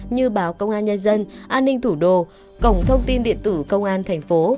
như báo công an nhân dân an ninh thủ đô cổng thông tin điện tử công an thành phố